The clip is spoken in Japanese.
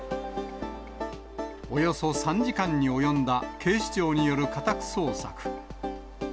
およそ３時間に及んだ警視庁による家宅捜索。